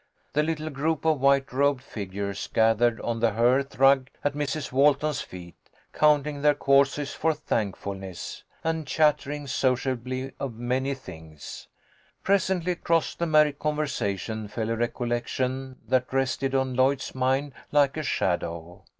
The little group of white robed figures gathered on the hearth rug at Mrs. Walton's feet, counting their causes for thank fulness, and chattering sociably of many things. Presently, across the merry conversation, fell a recol lection that rested on Lloyd's mind like a shadow.